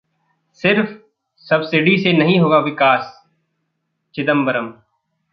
सिर्फ सब्सिडी से नहीं होगा विकास: चिदंबरम